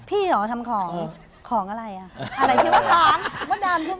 พี่เหรอทำของของอะไรอ่ะอะไรชื่อว่าของ